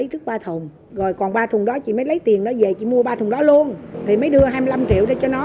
rồi còn ba thùng đó chị mới lấy tiền đó về chị mua ba thùng đó luôn thì mới đưa hai mươi năm triệu cho nó